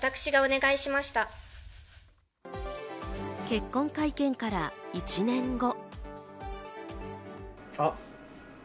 結婚会見から１年後。